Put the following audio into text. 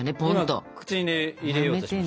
今口に入れようとしました。